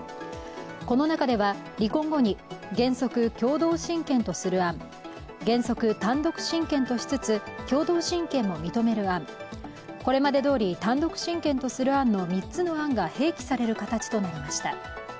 この中では離婚後に原則共同親権とする案、原則単独親権としつつ共同親権も認める案、これまでどおり、単独親権とする案の３つの案が併記される形となりました。